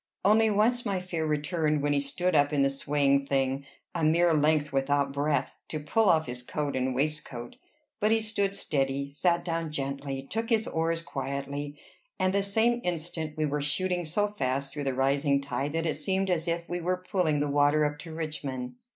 Only once my fear returned, when he stood up in the swaying thing a mere length without breadth to pull off his coat and waistcoat; but he stood steady, sat down gently, took his oars quietly, and the same instant we were shooting so fast through the rising tide that it seemed as if we were pulling the water up to Richmond.